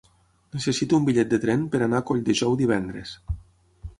Necessito un bitllet de tren per anar a Colldejou divendres.